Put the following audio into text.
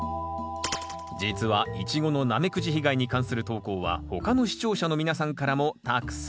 実はイチゴのナメクジ被害に関する投稿は他の視聴者の皆さんからもたくさん寄せられています。